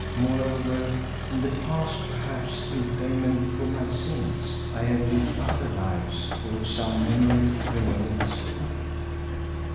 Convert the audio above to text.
Moreover in the past, perhaps in payment for my sins, I have lived other lives of which some memory remains with me.